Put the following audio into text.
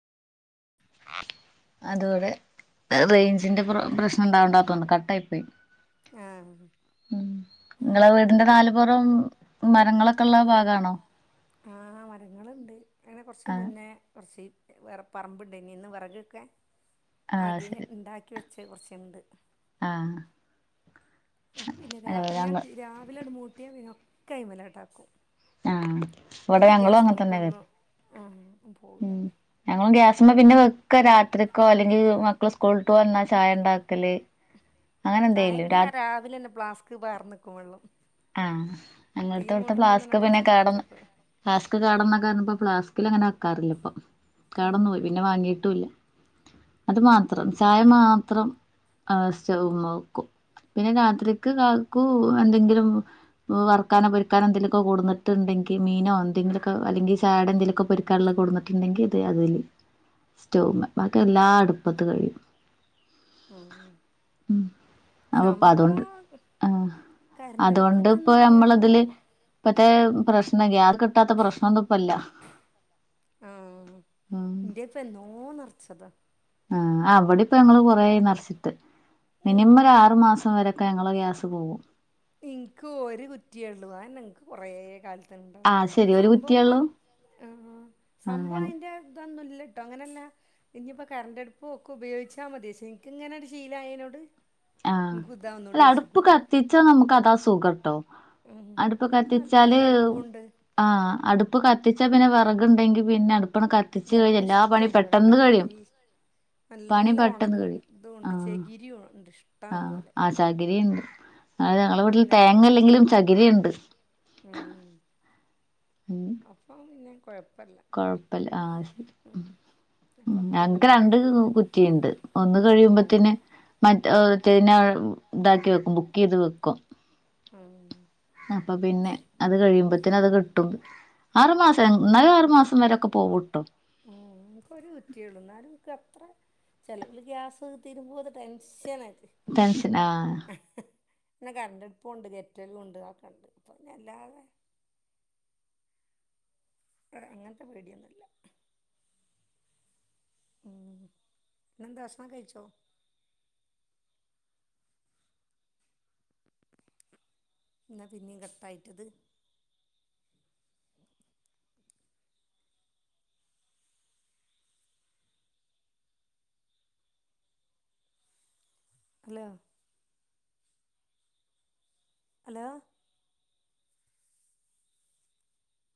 അതിവിടെ റേഞ്ചിന്റെ പ്ര പ്രശ്നം ഉണ്ടാവോണ്ടാ പ്പം കട്ടായി പോയി ആഹ് ഉം ഇങ്ങളെ വീടിന്റെ നാലുപൊറോം മരങ്ങളൊക്കെ ഇള്ള ഭാഗാണോ ആ മരങ്ങളുണ്ട് അങ്ങനെ കൊറച്ച് ആഹ് മുന്നേ കൊറച്ച് വേറെ പറമ്പുണ്ടേനി ഇന്ന് വെറകൊക്കെ ആഹ് ആദ്യേ ശരി ഇണ്ടാക്കി വെച്ച കൊറച്ചിണ്ട് ആഹ് ഉം പിന്നെ രാ അല്ല ഞാൻ ഞങ്ങ രാവിലണ് മൂട്ടിയ പിന്നെ ഒക്കയ്മ്മലാട്ടാക്കും ആഹ് ഇവടെ ഞങ്ങളും അങ്ങനെ തന്നെയാണ് ആഹ് പോവൂല ഉം ഞങ്ങളും ഗ്യാസുമ്മ പിന്നെ വെക്ക രാത്രിക്കോ അല്ലെങ്കിൽ മക്കള് സ്കൂളിട്ട് വന്ന ചായ ഇണ്ടാക്കല് ചായക്ക് ഞാൻ രാവിലെന്നെ പ്ലാസ്ക്ക്‌ പാർന്നെക്കും വെള്ളം ആഹ് തീ ഞങ്ങടത്തെ ഇവിടുത്തെ മൂട്ടുമ്പം ഫ്ലാസ്ക് തന്നെ പിന്നെ എടുത്ത് കേടന്ന്‌ വെക്കും ഫ്ലാസ് ക്ക്‌ കാണുമ്പം കാണുമ്പം ഫ്ലാസ്ക്കില് അങ്ങനെ വെക്കാറില്ലിപ്പം കേടന്നു ഉം പോയി പിന്നെ വാങ്ങീട്ടും ഇല്ല അത് ഉം മാത്രം ചായ മാത്രം അത്‌ സ്റ്റവ്വ്മ്മെ വെക്കും പിന്നെ രാത്രിക്ക് കാക്കു എന്തെങ്കിലും വർക്കാനോ പൊരിക്കാനോ എന്തേലുവൊക്കെ കൊണ്ടുന്നിട്ടുണ്ടെങ്കി മീനോ എന്തെങ്കിലൊക്കെ അല്ലെങ്കി ശാടെൻ എന്തെലുവൊക്കെ പൊരി ക്കാള്ളെ കൊടുന്നിട്ടുണ്ടെങ്കി ഇത് അതില് സ്റ്റൗമ്മേ ബാക്കി എല്ലാം അടുപ്പത്ത് കഴിയും ഉം അപ്പം അതുകൊണ്ട് സംഭവം കര്ന്റടുപ് ണ്ട് ഇപ്പോ നമ്മളെതില് ഇപ്പത്തേ പ്രശ്നം ഗ്യാസ് കിട്ടാത്ത പ്രശ്നൊന്നും ഇപ്പല്ല ആ ഇന്റപ്പോ എന്നോ നർച്ചതാ ആ ഇവടിപ്പൊ ഞങ്ങള് കൊറേയായി നറച്ചിട്ട് മിനിമം ഉം ഒരാറു മാസം വരെക്കെ ഞങ്ങടെ ഗ്യാസ് ത്ത്പോവും ഇൻക്ക് ഒരു കുറ്റിയെ ഒള്ളു അതന്നെ ഇൻക്ക് കൊറേ കാൽത്ത് ത്ത്ണ്ട് ആഹ് ശെരി ഒരു സംഭവം കുറ്റിയേള്ളൂ ആഹ് ആഹ് സംഭവയിന്റെ ഇതൊന്നും ഇ ഇല്ലട്ടോ അങ്ങനെല്ലാ ഇഞ്ഞിപ്പോ കര്ന്റടുപ്പും ഒക്കെ ഉപയോഗിച്ചാ മതി പശേ ഇൻക്കിങ്ങനൊരു ശീലായേനോണ്ട് ആഹ് അല്ല അടുപ്പ് കത്തിച്ചാ നമുക്ക് അതാ സുഖാട്ടോ ഉം അടുപ്പ് നല്ല കത്തിച്ചാല് നല്ല അടുപ്പുണ്ട് ആ അടുപ്പ് കത്തിച്ചാ പിന്നെ വെറക് ക്ണ്ടെങ്കി പിന്നെ അടുപ്പണ് കത്തിച്ച് കഴിഞ്ഞാ വിറക് എല്ലാ പണിം ഇഷ്ടം പോലെണ്ട് പെട്ടന്ന് നല്ല കഴിയും പണി നല്ല പെട്ടെന്ന് ഒണങ്ങി കഴിയും ഇതുണ്ട് ആഹ് ചെകിരിയൊണ്ട് ആഹ് ആ ചകിരി ഇണ്ട് ആ ഞങ്ങളെ അപ്പം വീട്ടിൽ പിന്നെ തേങ്ങ ഞാൻ ഇല്ലെങ്കിലും ചകിരി ഇണ്ട് ഉം അപ്പം പിന്നെ കൊഴ് കൊഴ്പ്പല്ലാ ആഹ് ശരി ഉം. ഉം അപ്പൊക്കെ ഞങ്ങക്ക് അയ്മലാണ്ട് രണ്ട് കഴിയും കുറ്റിയുണ്ട് ഒന്ന് ഉം കഴിയുമ്പോത്തേന് മറ്റേ മറ്റേന് [unintelligible] ഇതാക്കി വെക്കും ബുക്കെയ്ത് വെക്കും ഉം അപ്പ പിന്നെ അത് കഴിയുമ്പത്തിന് അത് കിട്ടും ആറുമാസം എന്നാലും ആറു മാസം വരെയൊക്കെ പോകൂട്ടോ ഉം ഞങ്ങക്കൊരു കുറ്റിയെയൊളളു ന്നാലും ൻക്കത്ര ചെലവില് ഗ്യാസ് തീരുമ്പോ അത് ടെൻഷനായി ടെൻഷൻ ആഹ് പിന്നെ കറന്റടുപ്പൂണ്ട് കെറ്റലും ഉണ്ട് അതൊക്കെണ്ട് [unintelligible] [unintelligible] അങ്ങനത്തെ പേടിയൊന്നുല്ല ഉം പിന്നെന്താ ഭക്ഷണൊക്കെ കഴിച്ചോ? ഇന്ന് പിന്നെയും കട്ടായിറ്റോ ഇത് ഹലോ ഹലോ